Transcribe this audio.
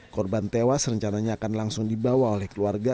korban tewas rencananya akan langsung dibawa oleh keluarga